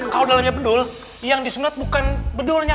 kau dalamnya bedul yang disunat bukan bedulnya